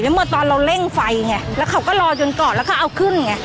เมื่อตอนเราเร่งไฟไงแล้วเขาก็รอจนก่อนแล้วก็เอาขึ้นไง